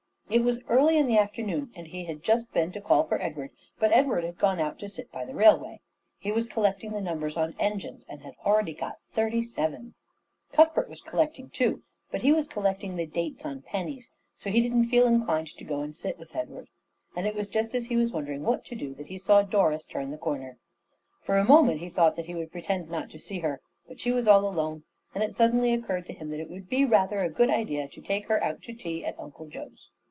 It was early in the afternoon, and he had just been to call for Edward, but Edward had gone out to sit by the railway. He was collecting the numbers on engines, and had already got thirty seven. Cuthbert was collecting too, but he was collecting the dates on pennies, so he didn't feel inclined to go and sit with Edward; and it was just as he was wondering what to do that he saw Doris turn the corner. For a moment he thought that he would pretend not to see her, but she was all alone, and it suddenly occurred to him that it would be rather a good idea to take her out to tea at Uncle Joe's.